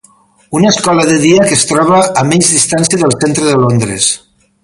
Una escola de dia que es troba a menys distància del centre de Londres.